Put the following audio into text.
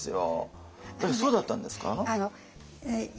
そうだったんですか？